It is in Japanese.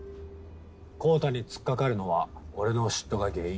昂太に突っかかるのは俺の嫉妬が原因。